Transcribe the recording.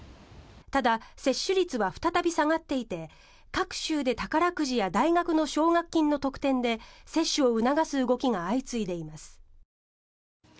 ただ、接種率は再び下がっていて各州で宝くじや大学の奨学金の特典で接種を促す動きが相次いでいます。